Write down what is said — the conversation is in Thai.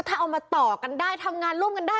ถ้าเอามาต่อกันได้ทำงานร่วมกันได้